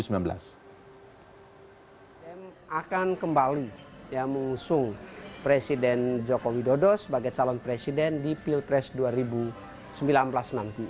nasdem akan kembali ya mengusung presiden jokowi dodo sebagai calon presiden di pilpres dua ribu sembilan belas nanti